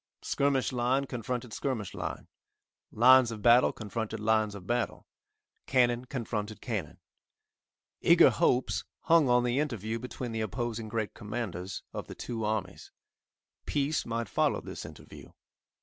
Skirmish line confronted skirmish line, lines of battle confronted lines of battle, cannon confronted cannon. Eager hopes hung on the interview between the opposing great commanders of the two armies. Peace might follow this interview.